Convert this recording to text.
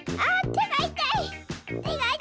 てがいたい！